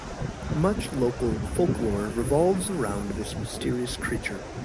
Much local folklore revolves around this mysterious creature.